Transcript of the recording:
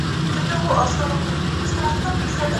چي په قسمت کی دي ازل سهار لیکلی نه دی